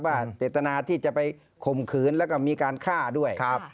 เจตนาที่จะไปข่มขืนแล้วก็มีการฆ่าด้วย